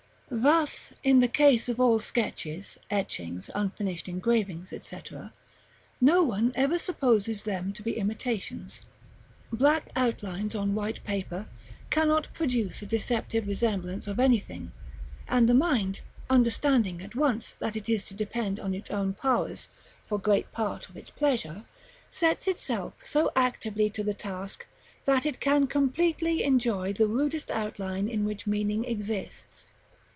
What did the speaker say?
§ XXIII. Thus, in the case of all sketches, etchings, unfinished engravings, &c., no one ever supposes them to be imitations. Black outlines on white paper cannot produce a deceptive resemblance of anything; and the mind, understanding at once that it is to depend on its own powers for great part of its pleasure, sets itself so actively to the task that it can completely enjoy the rudest outline in which meaning exists.